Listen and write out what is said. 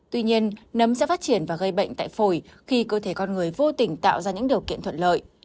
tuy nhiên nấm sẽ phát triển và gây bệnh tại phổi khi cơ thể con người vô tình tạo ra những điều kiện thuận lợi